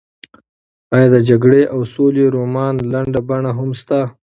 ایا د جګړې او سولې رومان لنډه بڼه هم شته؟